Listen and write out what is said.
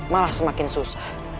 malah semakin susah